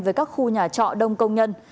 về các khu nhà trọ đông công nhân